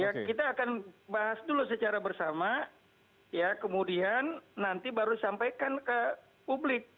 ya kita akan bahas dulu secara bersama ya kemudian nanti baru disampaikan ke publik